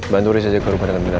bantu riza jaga rumah dengan benar